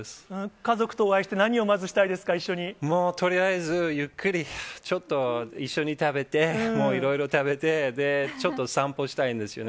家族とお会いして、まず何をもう、とりあえずゆっくり、ちょっと、一緒に食べて、もういろいろ食べて、ちょっと散歩したいんですよね。